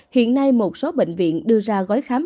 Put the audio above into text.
hiện nay một số bệnh viện đưa ra gói khám